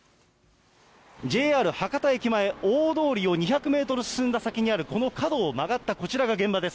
ＪＲ博多駅前、大通りを２００メートルほど進んだ先にある、この角を曲がったこちらが現場です。